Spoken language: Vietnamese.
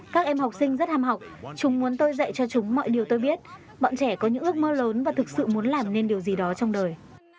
các em học sinh rất hàm học chúng muốn tôi dạy cho chúng mọi điều tôi biết bọn trẻ có những ước mơ lớn và thực sự muốn làm nên điều gì đó trong đời